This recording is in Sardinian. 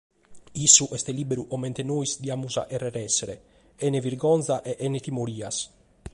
Issu est lìberu comente nois diamus a chèrrere èssere, chene birgòngia e chene timorias.